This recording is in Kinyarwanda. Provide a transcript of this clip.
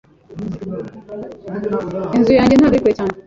Inzu yanjye ntabwo iri kure cyane.